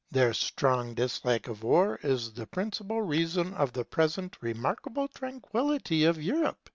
Their strong dislike of war is the principal reason of the present remarkable tranquillity of Europe.